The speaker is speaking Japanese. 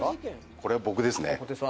これ僕ですね。